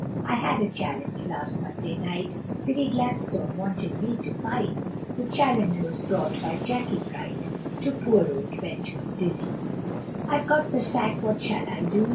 I had a challenge last Monday night, Billy Gladstone wanted me to fight; The challenge was brought by Jackey Bright, To poor old Benjamin Dizzy, I've got the sack, what shall I do?